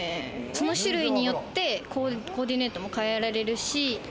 その種類によってコーディネートも変えられるし。